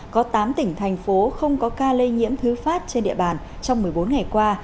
có tám tỉnh thành phố không có ca lây nhiễm thứ phát trên địa bàn trong một mươi bốn ngày qua